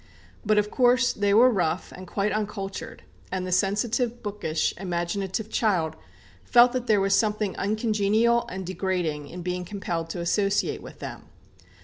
But, of course, they were rough and quite uncultured, and the sensitive, bookish, imaginative child felt that there was something uncongenial and degrading in being compelled to associate with them.